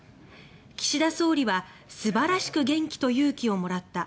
岸田総理は「素晴らしく元気と勇気をもらった。